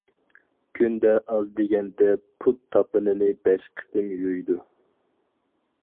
كۈندە ئاز دېگەندە پۇت تاپىنىنى بەش قېتىم يۇيىدۇ.